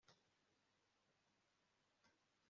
agakiza ibyaro amajosi